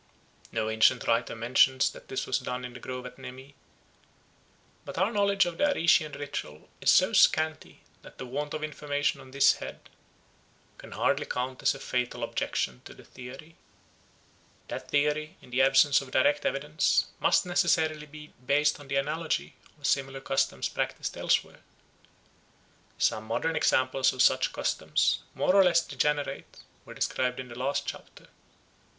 No ancient writer mentions that this was done in the grove at Nemi; but our knowledge of the Arician ritual is so scanty that the want of information on this head can hardly count as a fatal objection to the theory. That theory, in the absence of direct evidence, must necessarily be based on the analogy of similar customs practised elsewhere. Some modern examples of such customs, more or less degenerate, were described in the last chapter.